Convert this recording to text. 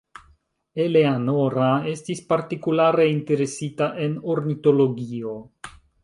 Eleanora estis partikulare interesita en ornitologio.